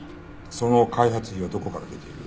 その開発費はどこから出ている？